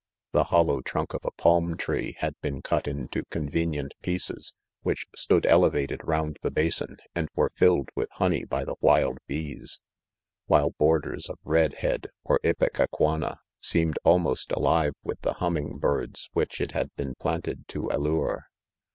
The hollow trunk of a palm tree had been cut into convenient pieces, which stood elevated round the bason, and were filled with honey bj the wild bees, while borders of red head (oT'ipecacuana),seemed almost alive with the humming birds which it had been planted to allure.